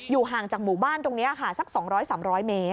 ห่างจากหมู่บ้านตรงนี้ค่ะสัก๒๐๐๓๐๐เมตร